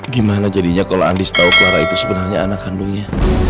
gimana jadinya kalau andis tahu clara itu sebenarnya anak kandungnya